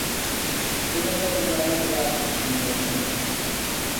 Teño que trasladarlle algo, señor Gosende.